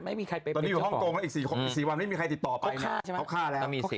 ตอนนี้อยู่ฮ่องโกงแล้วอีกสี่วันไม่มีใครติดต่อไปเขาฆ่าแล้ว